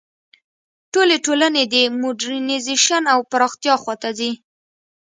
ټولې ټولنې د موډرنیزېشن او پراختیا خوا ته ځي.